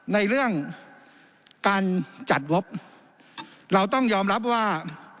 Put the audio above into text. ในเรื่องการจัดงบเราต้องยอมรับว่า